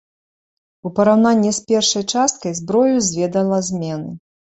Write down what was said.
У параўнанні з першай часткай, зброю зведала змены.